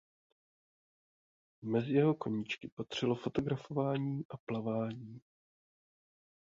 Mezi jeho koníčky patřilo fotografování a plavání.